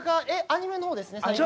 アニメの方ですね。